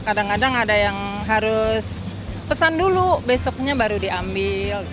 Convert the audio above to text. kadang kadang ada yang harus pesan dulu besoknya baru diambil